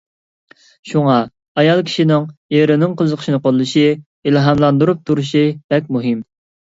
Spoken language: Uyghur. شۇڭا ئايال كىشىنىڭ ئېرىنىڭ قىزىقىشىنى قوللىشى، ئىلھاملاندۇرۇپ تۇرۇشى بەك مۇھىم.